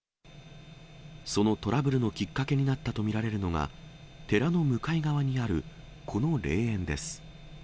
そのトラブルのきっかけになったと見られるのが、寺の向かい側にあるこの霊園です。